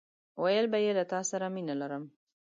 ويل به يې له تاسره مينه لرم!